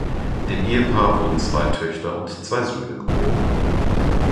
Dem Ehepaar wurden zwei Töchter und zwei Söhne geboren.